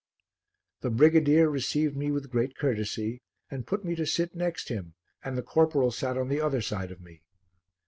The brigadier received me with great courtesy and put me to sit next him, and the corporal sat on the other side of me.